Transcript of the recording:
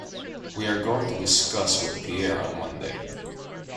We are going to discuss with Pierre on Monday.